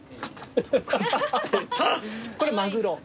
これマグロ。